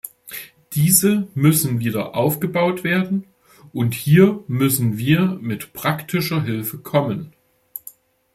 Diese müssen wieder aufgebaut werden, und hier müssen wir mit praktischer Hilfe kommen.